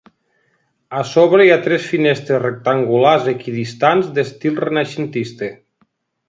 A sobre hi ha tres finestres rectangulars equidistants d'estil renaixentista.